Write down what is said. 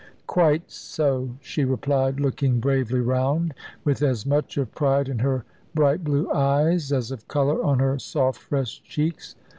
"Quite so," she replied, looking bravely round, with as much of pride in her bright blue eyes as of colour on her soft fresh cheeks.